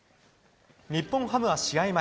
日本ハムは試合